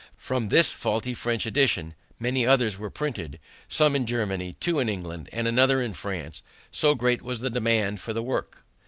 From this faulty French edition many others were printed, some in Germany, two in England, and another in France, so great was the demand for the work.